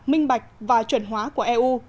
minh bạch và chuyển hóa của eu